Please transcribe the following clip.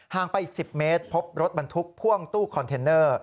ไปอีก๑๐เมตรพบรถบรรทุกพ่วงตู้คอนเทนเนอร์